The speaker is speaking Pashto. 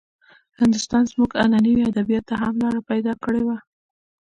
هندوستان زموږ عنعنوي ادبياتو ته هم لاره پيدا کړې وه.